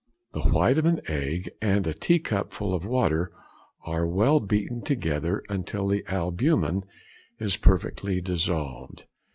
_—The white of an egg and a tea cup full of water are well beaten together, until the albumen is perfectly dissolved.